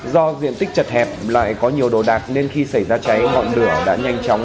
do diện tích chật hẹp lại có nhiều đồ đạc nên khi xảy ra cháy ngọn lửa đã nhanh chóng